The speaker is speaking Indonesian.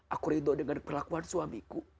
aku ridho dengan perlakuan suamiku